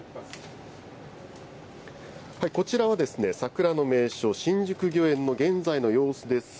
こちらは桜の名所、新宿御苑の現在の様子です。